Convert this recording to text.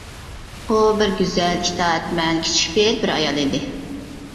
ئۇ بىر گۈزەل، ئىتائەتمەن، كىچىك پېئىل بىر ئايال ئىدى.